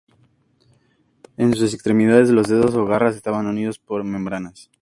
En sus extremidades los dedos o garras estaban unidos por membranas.